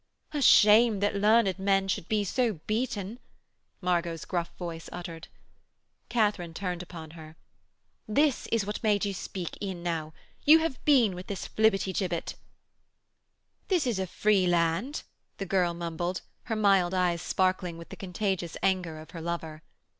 'A shame that learned men should be so beaten!' Margot's gruff voice uttered. Katharine turned upon her. 'That is what made you speak e'ennow. You have been with this flibbertigibbet.' 'This is a free land,' the girl mumbled, her mild eyes sparkling with the contagious anger of her lover.